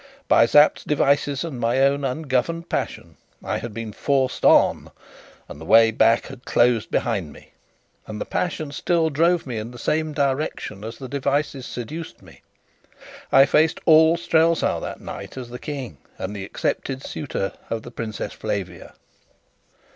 By Sapt's devices and my own ungoverned passion I had been forced on, and the way back had closed behind me; and the passion still drove me in the same direction as the devices seduced me. I faced all Strelsau that night as the King and the accepted suitor of the Princess Flavia.